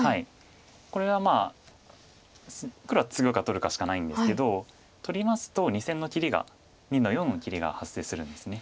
これは黒はツグか取るかしかないんですけど取りますと２線の切りが２の四の切りが発生するんです。